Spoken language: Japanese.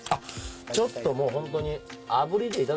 ちょっともうホントにあぶりで。